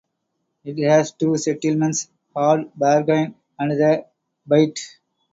It has two settlements "Hard Bargain" and "The Bight".